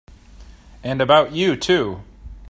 And about you too!